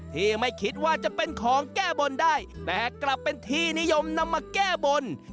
ที่ไม่คิดว่าจะเป็นของแก้บนได้แต่กลับเป็นที่นิยมนำมาแก้บน